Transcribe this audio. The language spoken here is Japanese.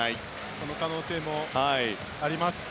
その可能性もあります。